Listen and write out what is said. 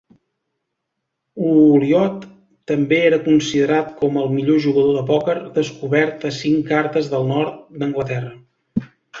Ulliott també era considerat com el millor jugador de pòquer descobert a cinc cartes del nord d'Anglaterra.